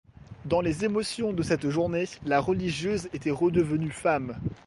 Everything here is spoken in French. Dans les émotions de cette journée, la religieuse était redevenue femme.